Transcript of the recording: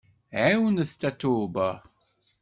Ɛiwnet Tatoeba!